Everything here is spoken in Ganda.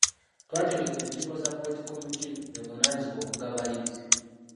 Twategeka enkiiko za ‘Board committee’ evunaanyizibwa okugaba liizi.